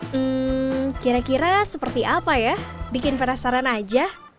hmm kira kira seperti apa ya bikin penasaran aja